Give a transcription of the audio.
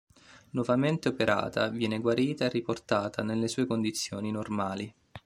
Nuovamente operata, viene guarita e riportata nelle sue condizioni normali.